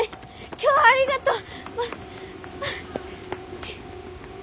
今日はありがとう！